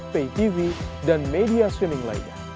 paytv dan media streaming lainnya